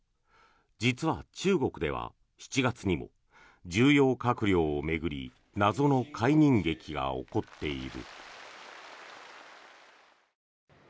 実は、中国では７月にも重要閣僚を巡り謎の解任劇が起こっている。